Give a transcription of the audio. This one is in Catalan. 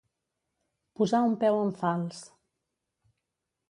Posar un peu en fals.